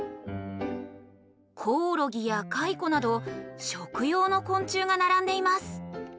コオロギやカイコなど食用の昆虫がならんでいます。